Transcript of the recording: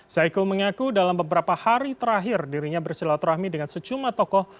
saiku mengaku dalam beberapa hari terakhir dirinya bersilaturahmi dengan secumlah tokoh